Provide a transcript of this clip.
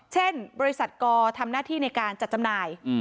เช่นบริษัทกทำหน้าที่ในการจัดจำหน่าย